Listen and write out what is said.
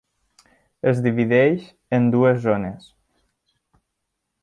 Es divideix en dues zones.